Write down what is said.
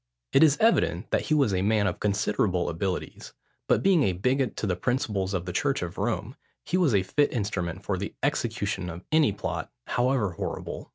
It is evident that he was a man of considerable abilities; but being a bigot to the principles of the church of Rome, he was a fit instrument for the execution of any plot, however horrible.